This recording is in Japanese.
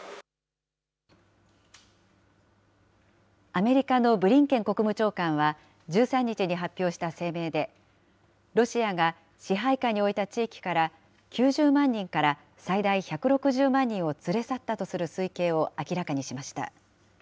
アメリカのブリンケン国務長官は１３日に発表した声明で、ロシアが支配下に置いた地域から９０万人から最大１６０万人を連れ去ったとする推計を明らかにしました。